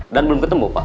dan belum ketemu pak